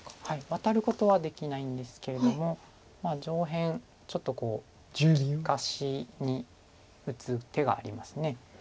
ワタることはできないんですけれども上辺ちょっと利かしに打つ手があります。